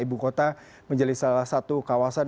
ibu kota menjadi salah satu kawasan